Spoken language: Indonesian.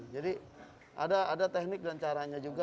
jadi ada teknik dan caranya juga